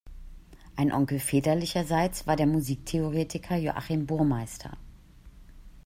Ein Onkel väterlicherseits war der Musiktheoretiker Joachim Burmeister.